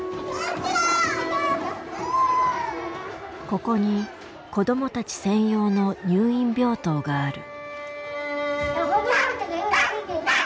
ここに子どもたち専用の入院病棟がある。